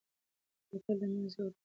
برکت له منځه وړي.